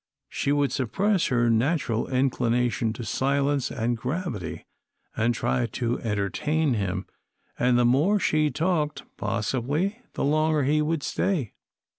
She would suppress her natural inclination to silence and gravity, and try to entertain him. And the more she talked, possibly the longer he would stay.